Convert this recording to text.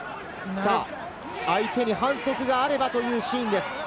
相手の反則があればというシーンです。